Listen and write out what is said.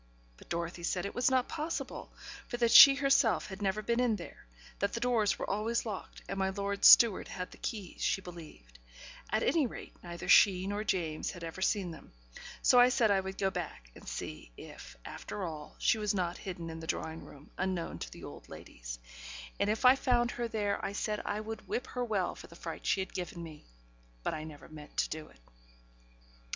But Dorothy said it was not possible, for that she herself had never been in there; that the doors were always locked, and my lord's steward had the keys, she believed; at any rate, neither she nor James had ever seen them: so I said I would go back, and see if, after all, she was not hidden in the drawing room, unknown to the old ladies; and if I found her there, I said, I would whip her well for the fright she had given me; but I never meant to do it.